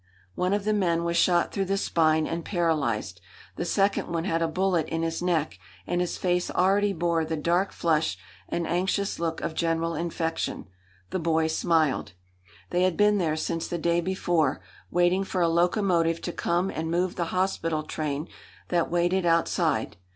One of the men was shot through the spine and paralysed. The second one had a bullet in his neck, and his face already bore the dark flush and anxious look of general infection. The boy smiled. They had been there since the day before, waiting for a locomotive to come and move the hospital train that waited outside.